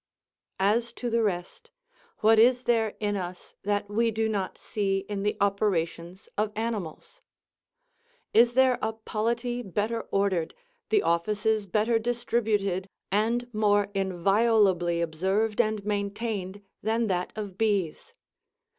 As to the rest, what is there in us that we do not see in the operations of animals? Is there a polity better ordered, the offices better distributed, and more inviolably observed and maintained, than that of bees?